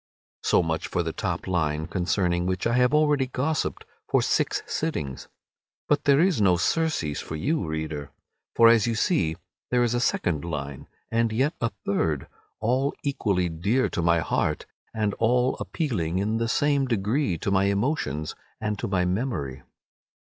So much for the top line, concerning which I have already gossipped for six sittings, but there is no surcease for you, reader, for as you see there is a second line, and yet a third, all equally dear to my heart, and all appealing in the same degree to my emotions and to my memory.